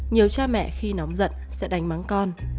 nhiều cha mẹ khi nóng giận sẽ đánh mắng con